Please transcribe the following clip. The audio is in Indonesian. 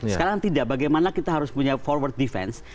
sekarang tidak bagaimana kita harus punya forward defense